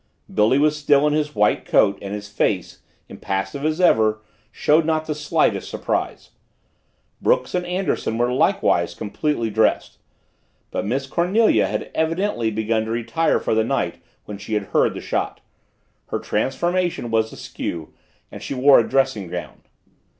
Billy was still in his white coat and his face, impassive as ever, showed not the slightest surprise. Brooks and Anderson were likewise completely dressed but Miss Cornelia had evidently begun to retire for the night when she had heard the shot her transformation was askew and she wore a dressing gown.